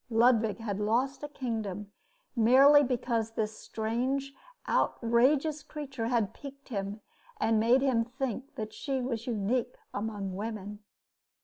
Ludwig had lost a kingdom merely because this strange, outrageous creature had piqued him and made him think that she was unique among women.